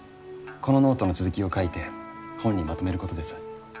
このノートの続きを書いて本にまとめることです。